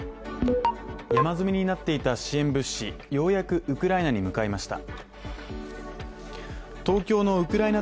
山積みになっていた支援物資、ようやくウクライナに向かいました。